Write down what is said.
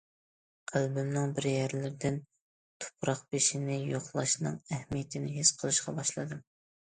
قەلبىمنىڭ بىر يەرلىرىدىن تۇپراق بېشىنى يوقلاشنىڭ ئەھمىيىتىنى ھېس قىلىشقا باشلىدىم.